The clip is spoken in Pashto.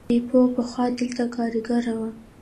بیپو پخوا دلته کارګر و.